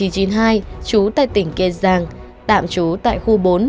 trú tại tỉnh kiên giang tạm trú tại khu bốn